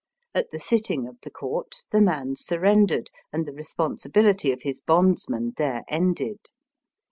At the sitting of the court the man surrendered, and the responsibility of his bondsman there ended.